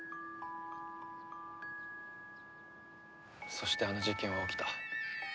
そしてあの事件は起きた。